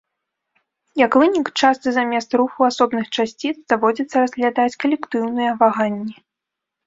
Як вынік, часта замест руху асобных часціц даводзіцца разглядаць калектыўныя ваганні.